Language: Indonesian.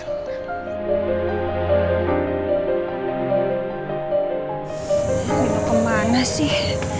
lalu kemana sih